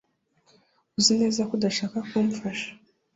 Uzi neza ko udashaka kumfasha